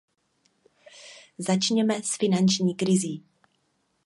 Začněme s finanční krizí.